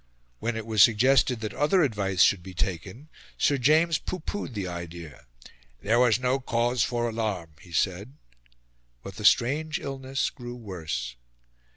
When it was suggested that other advice should be taken, Sir James pooh poohed the idea: "there was no cause for alarm," he said. But the strange illness grew worse.